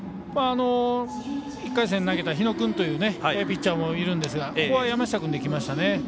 １回戦投げた日野君というピッチャーもいるんですがここは山下君できましたね。